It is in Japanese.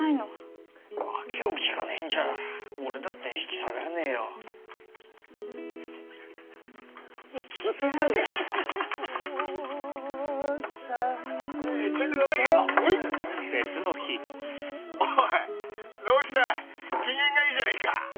機嫌がいいじゃねえか。